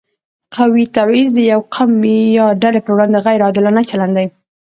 قومي تبعیض د یو قوم یا ډلې پر وړاندې غیر عادلانه چلند دی.